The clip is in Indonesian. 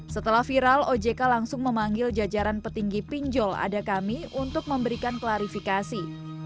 setelah viral ojk langsung memanggil jajaran petinggi pinjol adakami untuk memberikan klarifikasi